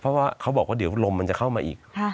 เพราะว่าเขาบอกว่าเดี๋ยวลมมันจะเข้ามาอีก